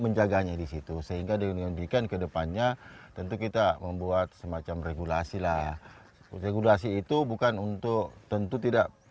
menjadikan kedepannya tentu kita membuat semacam regulasi lah regulasi itu bukan untuk tentu tidak